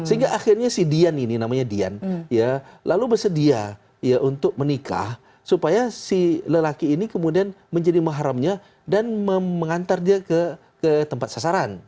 sehingga akhirnya si dian ini namanya dian lalu bersedia untuk menikah supaya si lelaki ini kemudian menjadi mahramnya dan mengantar dia ke tempat sasaran